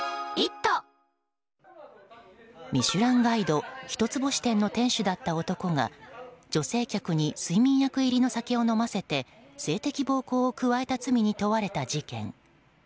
「ミシュランガイド」一つ星店の店主だった男が女性客に睡眠薬入りの酒を飲ませて性的暴行を加えた罪に問われた事件。